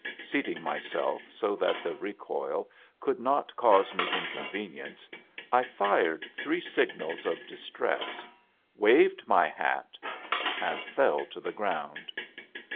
Seating myself so that the recoil could not cause me incon venience, 1 fired three signals of distress, waved my hat, and fell to the ground.